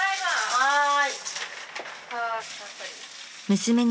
はい。